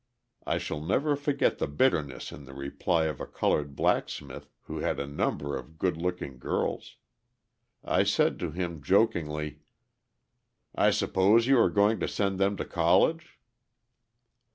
I shall never forget the bitterness in the reply of a coloured blacksmith who had a number of good looking girls. I said to him jokingly: "I suppose you are going to send them to college."